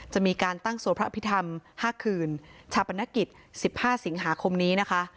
จะมีการตั้งสวดพระอภิษฐรรม๕คืนชาปนกิจ๑๕สิงหาคมนี้นะคะ